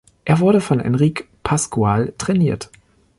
Er wurde von Enrique Pascual trainiert.